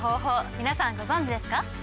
皆さんご存じですか？